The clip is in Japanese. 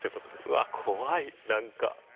うわ怖い何か。